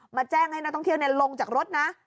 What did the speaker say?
แจ้งให้นักท่องเที่ยวลงจากรถนะ